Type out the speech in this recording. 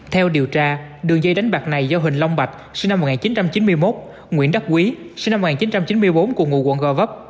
theo điều tra đường dây đánh bạc này do huỳnh long bạch sinh năm một nghìn chín trăm chín mươi một nguyễn đắc quý sinh năm một nghìn chín trăm chín mươi bốn cùng ngụ quận gò vấp